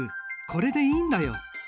これでいいんだよ。